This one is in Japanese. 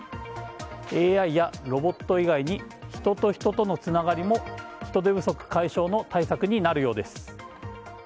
ＡＩやロボット以外に人と人とのつながりも人手不足解消の対策になるようです。